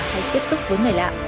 hay tiếp xúc với người lạ